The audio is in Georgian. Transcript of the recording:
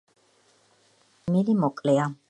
საჭმლის მომნელებელი მილი მოკლეა.